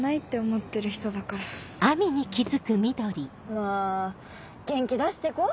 まぁ元気出してこ！